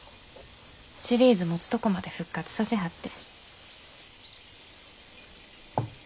シリーズ持つとこまで復活させはって。